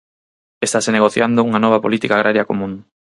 Estase negociando unha nova política agraria común.